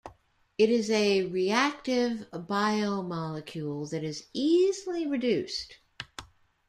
It is a reactive biomolecule that is easily reduced.